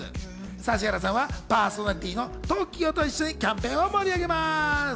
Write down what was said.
指原さんはパーソナリティーのＴＯＫＩＯと一緒にキャンペーンを盛り上げます。